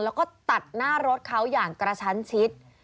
แล้วก็ตัดหน้ารถเขาอย่างกระชั้นชิด